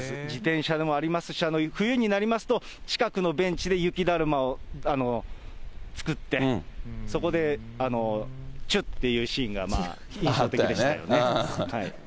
自転車でもありますし、冬になりますと、近くのベンチで雪だるまを作って、そこでチュッていうシーンが印象的でしたよね。